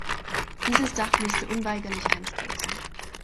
Dieses Dach müsste unweigerlich einstürzen.